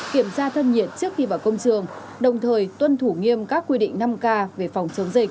kiểm tra thân nhiệt trước khi vào công trường đồng thời tuân thủ nghiêm các quy định năm k về phòng chống dịch